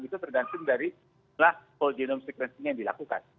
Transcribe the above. itu tergantung dari whole genome sequencing yang dilakukan